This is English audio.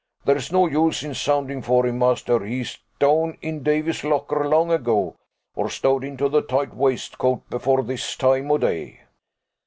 There's no use in sounding for him, master; he's down in Davy's locker long ago, or stowed into the tight waistcoat before this time o'day."